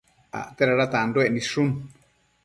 Acte dada tanduec nidshu